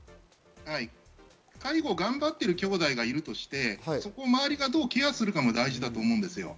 介護を頑張っているきょうだいがいるとして、そこを周りがどうケアするかも大事だと思います。